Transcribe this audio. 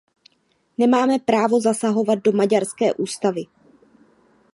Nemáme právo zasahovat do maďarské ústavy.